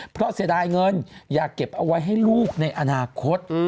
เพราะเสียดายเงินอย่าเก็บเอาไว้ให้ลูกในอนาคต